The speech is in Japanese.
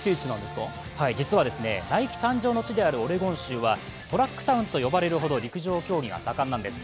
実は、ナイキ誕生の地であるオレゴン州はトラックタウンと呼ばれるほど陸上競技が盛んなんです。